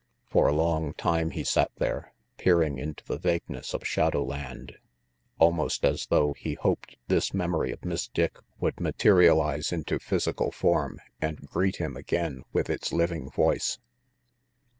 For a long time he sat there, peering into the vague ness of shadow land, almost as though he hoped this memory of Miss Dick would materialize into physical form and greet him again with its living voice.